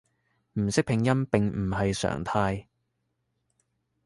唔識拼音並唔係常態